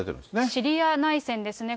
シリア内戦ですね。